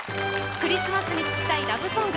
クリスマスに聴きたいラブソング。